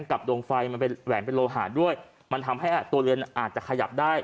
ดวงไฟมันเป็นแหวนเป็นโลหะด้วยมันทำให้ตัวเรือนอาจจะขยับได้